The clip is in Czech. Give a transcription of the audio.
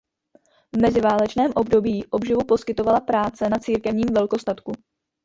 V meziválečném období obživu poskytovala práce na církevním velkostatku.